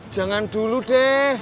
jangan dulu deh